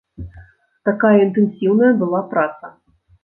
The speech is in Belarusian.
Такая інтэнсіўная была праца.